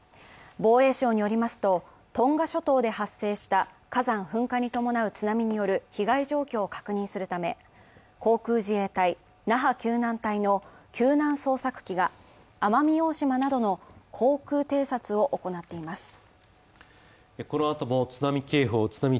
防衛省によりますと、トンガ諸島で発生した火山噴火に伴う津波による被害状況を確認するため、航空自衛隊那覇救難隊の救難捜索機が奄美大島などの航空偵察を行っています。